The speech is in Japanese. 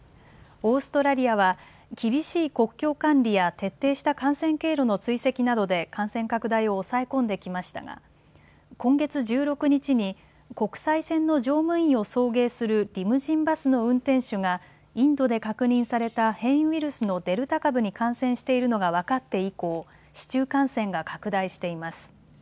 オーストラリアは厳しい国境管理や徹底した感染経路の追跡などで感染拡大を抑え込んできましたが今月１６日に国際線の乗務員を送迎するリムジンバスの運転手がインドで確認された変異ウイルスのデルタ株に感染しているのが分かって以降、市中感染が拡大しています。